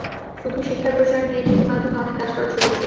শুধু শিক্ষার প্রসার নিয়েই টিভি মাধ্যমে অনেক কাজ করার সুযোগ ছিল।